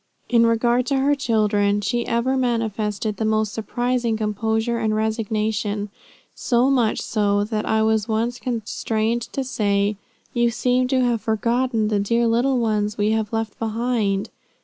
"In regard to her children she ever manifested the most surprising composure and resignation, so much so that I was once constrained to say, you seem to have forgotten the dear little ones we have left behind.